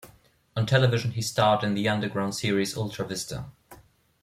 On television he starred in the underground series "Ultra Vista!".